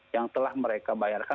yang telah mereka bayarkan